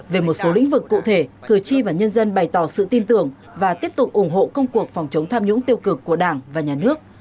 về một số lĩnh vực cụ thể cử tri và nhân dân bày tỏ sự tin tưởng và tiếp tục ủng hộ công cuộc phòng chống tham nhũng tiêu cực của đảng và nhà nước